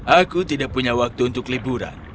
aku tidak punya waktu untuk liburan